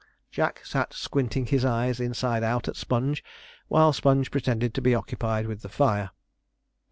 Jack sat squinting his eyes inside out at Sponge, while Sponge pretended to be occupied with the fire.